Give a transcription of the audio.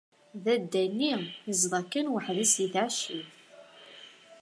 Dadda-nni izdeɣ kan weḥd-s di tɛecciwt.